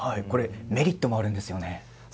メリットもあるんですよね。